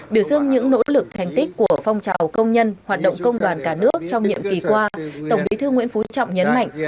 biểu dương những nỗ lực thành tích của phong trào công nhân hoạt động công đoàn cả nước trong nhiệm kỳ qua tổng bí thư nguyễn phú trọng nhấn mạnh